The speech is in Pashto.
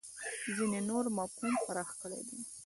ځینې نور مفهوم پراخ کړی دی.